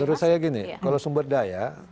menurut saya gini kalau sumber daya